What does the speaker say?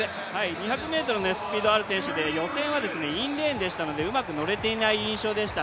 ２００ｍのスピードがある選手で予選はインレーンでしたのでうまく乗れていない印象でした。